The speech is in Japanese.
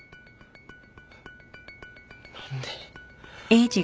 何で？